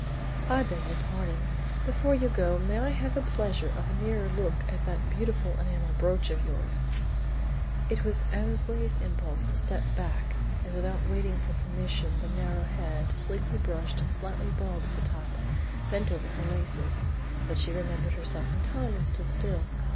"I beg your pardon! Before you go, may I have the pleasure of a nearer look at that beautiful enamel brooch of yours?" It was Annesley's impulse to step back as without waiting for permission the narrow head, sleekly brushed and slightly bald at the top, bent over her laces. But she remembered herself in time and stood still.